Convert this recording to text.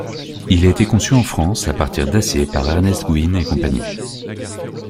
Il a été conçu en France à partir d'acier par Ernest Goüin et Cie.